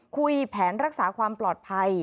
คุยแผนรักษาความปลอดภัย